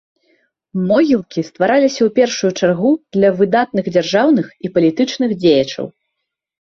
Могілкі ствараліся ў першую чаргу для выдатных дзяржаўны і палітычных дзеячаў.